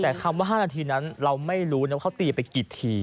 แต่คำว่า๕นาทีนั้นเราไม่รู้นะว่าเขาตีไปกี่ที